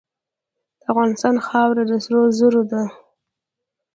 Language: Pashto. د افغانستان خاوره د سرو زرو ده.